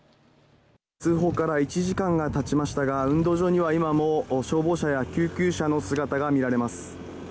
通報から１時間がたちましたが、運動場には今も消防車や救急車の姿が見られます。